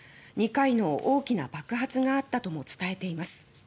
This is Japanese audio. ２回の大きな爆発があったとも伝えています。